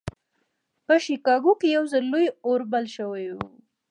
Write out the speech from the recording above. په شيکاګو کې يو ځل لوی اور بل شوی و.